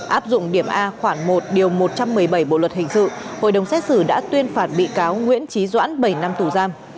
áp dụng điểm a khoảng một điều một trăm một mươi bảy bộ luật hình sự hội đồng xét xử đã tuyên phạt bị cáo nguyễn trí doãn bảy năm tù giam